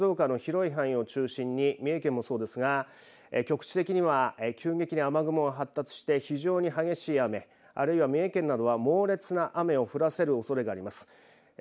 静岡の広い範囲を中心に三重県もそうですが局地的には急激に雨雲が発達して非常に激しい雨あるいは三重県などは猛烈な雨を降らせるおそれがあります。